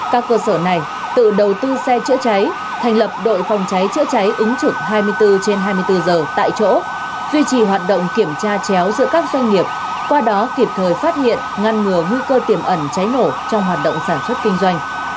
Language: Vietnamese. các cơ sở này tự đầu tư xe chữa cháy thành lập đội phòng cháy chữa cháy ứng trực hai mươi bốn trên hai mươi bốn giờ tại chỗ duy trì hoạt động kiểm tra chéo giữa các doanh nghiệp qua đó kịp thời phát hiện ngăn ngừa nguy cơ tiềm ẩn cháy nổ trong hoạt động sản xuất kinh doanh